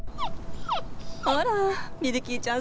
あらミルキーちゃん